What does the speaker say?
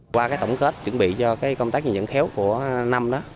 qua cái tổng kết chuẩn bị cho cái công tác nhận dẫn khéo của năm đó